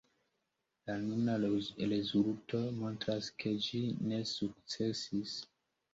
La nuna rezulto montras, ke ĝi ne sukcesis.